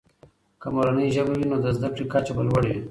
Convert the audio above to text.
که مورنۍ ژبه وي، نو د زده کړې کچه به لوړه وي.